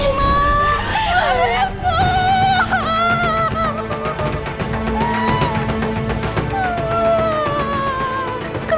udah cepetan cepetan